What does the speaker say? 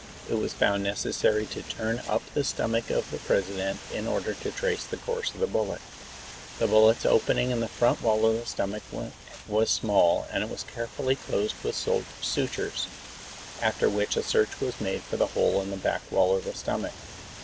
It was found necessary to turn up the stomach of the President in order to trace the course of the bullet. The bullet's opening in the front wall of the stomach was small and it was carefully closed with sutures, after which a search was made for the hole in the back wall of the stomach.